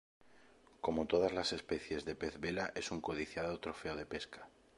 Como todas las especies de pez vela es un codiciado trofeo de pesca.